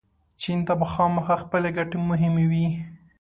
چین ته به خامخا خپلې ګټې مهمې وي.